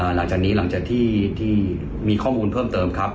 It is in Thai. หลังจากนี้หลังจากที่มีข้อมูลเพิ่มเติมครับ